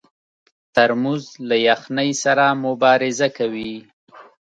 ترموز له یخنۍ سره مبارزه کوي.